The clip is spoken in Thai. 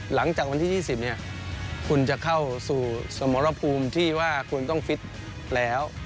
หลังจากวันที่๒๐เนี่ยคุณจะเข้าสู่สมรภูมิที่ว่าคุณต้องฟิตแล้ว